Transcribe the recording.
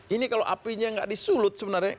ini kalau apinya nggak disulut sebenarnya